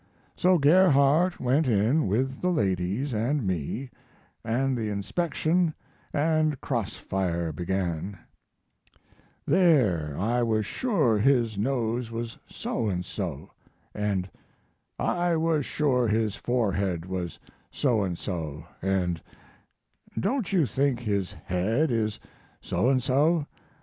So Gerhardt went in with the ladies and me, and the inspection and cross fire began: "There, I was sure his nose was so and so," and, "I was sure his forehead was so and so," and, "Don't you think his head is so and so?"